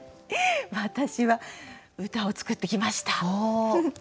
私は歌を作ってきました。